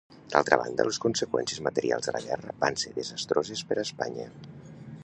D'altra banda, les conseqüències materials de la guerra van ser desastroses per a Espanya.